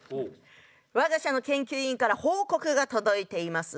我が社の研究員から報告が届いています。